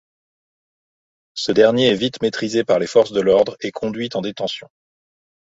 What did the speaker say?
Ce dernier est vite maitrisé par les forces de l'ordre et conduit en détention.